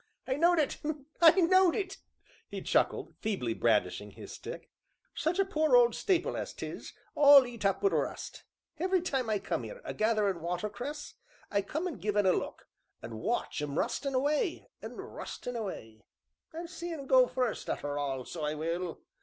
"I knowed it I knowed it," he chuckled, feebly brandishing his stick, "such a poor old stapil as 'tis, all eat up wi' rust. Every time I come 'ere a gatherin' watercress, I come in an' give un a look, an' watch un rustin' away, an' rustin' away; I'll see un go fust, arter all, so I will!"